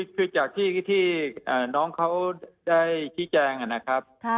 คือจากที่น้องเขาได้ชี้แจงนะครับ